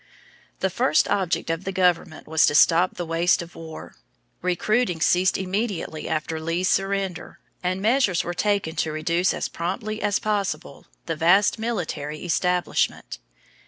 The first object of the government was to stop the waste of war. Recruiting ceased immediately after Lee's surrender, and measures were taken to reduce as promptly as possible the vast military establishment.